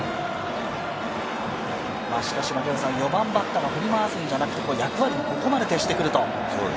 しかし４番バッターが振り回すんじゃなくて、役割、ここまで徹してくると。